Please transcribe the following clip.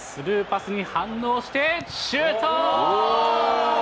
こちら、スルーパスに反応して、シュート！